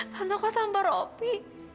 tanda kok sambar opi